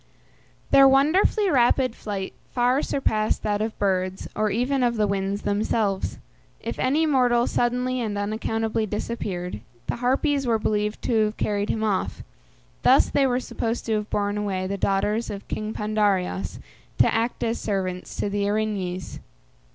Their wonderfully rapid flight far surpassed that of birds, or even of the winds themselves. If any mortal suddenly and unaccountably disappeared, the Harpies were believed to have carried him off. Thus they were supposed to have borne away the daughters of King Pandareos to act as servants to the Erinyes.